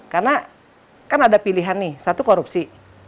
karena kan ada pilihan nih satu korupsi